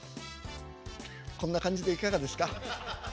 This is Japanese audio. こんな感じでいかがですか。